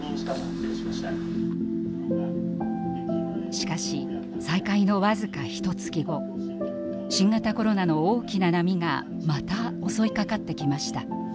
しかし再会の僅かひとつき後新型コロナの大きな波がまた襲いかかってきました。